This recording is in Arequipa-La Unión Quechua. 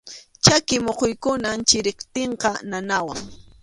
Chaki muquykunam chiriptinqa nanawan.